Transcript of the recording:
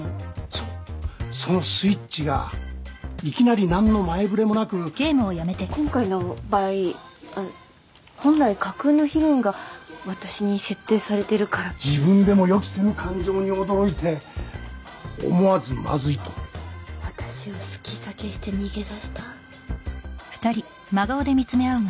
そうそのスイッチがいきなりなんの前触れもなく今回の場合本来架空のヒロインが私に設定されてるから自分でも予期せぬ感情に驚いて思わず「まずい」と私を好き避けして逃げ出した？